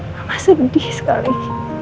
mama sedih sekali